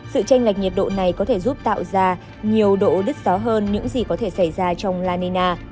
sự tranh lệch nhiệt độ này có thể giúp tạo ra nhiều độ đứt gió hơn những gì có thể xảy ra trong la nina